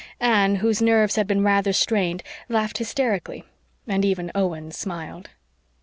Anne, whose nerves had been rather strained, laughed hysterically, and even Owen smiled.